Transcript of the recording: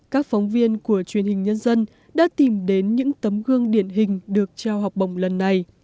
các phóng viên của truyền hình nhân dân đã tìm đến những tấm gương điển hình được trao học bổng lần này